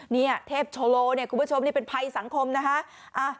นี่เทพโชโลคุณผู้ชมเป็นภัยสังคมนะคะ